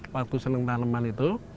waktu senang tanaman itu